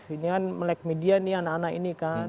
ini kan melek media nih anak anak ini kan